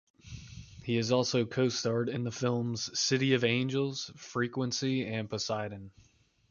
He has also co-starred in the films "City of Angels", "Frequency" and "Poseidon".